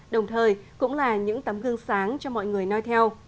đồng thời cũng là những tấm gương sáng cho mọi người nói theo